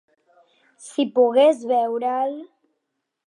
-Si pogués veure'l!